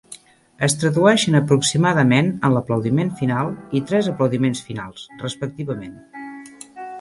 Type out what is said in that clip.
Es tradueixen aproximadament en "l'aplaudiment final" i "tres aplaudiments finals", respectivament.